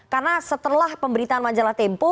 karena setelah pemberitaan majalah tv